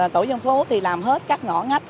tổ dân phố thì làm hết các ngõ ngách